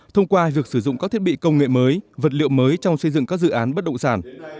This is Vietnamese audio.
thông qua việc sử dụng các thiết bị công nghệ mới vật liệu mới trong xây dựng các dự án bất động sản